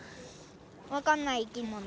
わかんない生き物。